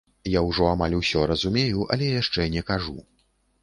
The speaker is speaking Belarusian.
Я ўжо амаль усё разумею, але яшчэ не кажу.